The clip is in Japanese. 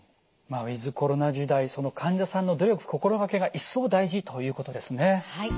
まあウィズコロナ時代その患者さんの努力心がけが一層大事ということですね。